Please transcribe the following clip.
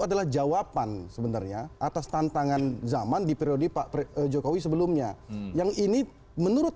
adalah jawaban sebenarnya atas tantangan zaman di periode pak jokowi sebelumnya yang ini menurut